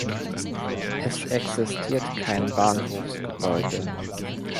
Es existiert kein Bahnhofsgebäude.